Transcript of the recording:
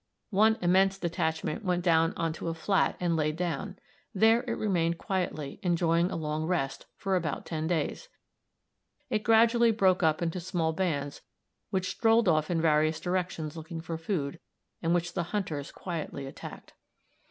One immense detachment went down on to a "flat" and laid down. There it remained quietly, enjoying a long rest, for about ten days. It gradually broke up into small bands, which strolled off in various directions looking for food, and which the hunters quietly attacked.